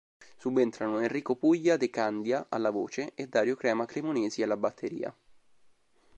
Subentrano Enrico "Puglia" De Candia alla voce e Dario "Crema" Cremonesi alla batteria.